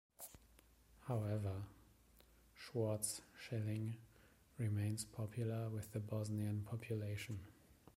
However, Schwarz-Schilling remains popular with the Bosnian population.